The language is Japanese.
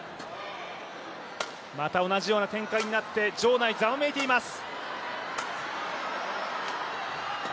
また同じような展開になって、場内ざわめいています。